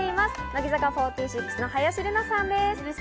乃木坂４６の林瑠奈さんです。